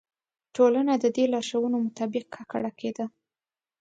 ټولنه د دې لارښوونو مطابق ککړه کېده.